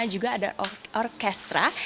juga ada orkestra